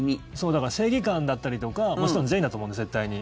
だから正義感だったりとかもちろん、善意だと思うんですよ絶対に。